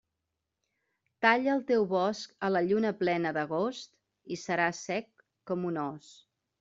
Talla el teu bosc a la lluna plena d'agost i serà sec com un os.